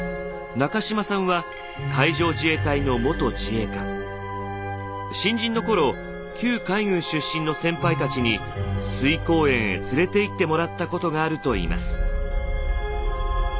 中島さんは新人の頃旧海軍出身の先輩たちに翠光園へ連れていってもらったことがあるといいます。